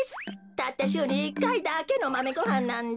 たったしゅうに１かいだけのマメごはんなんだ。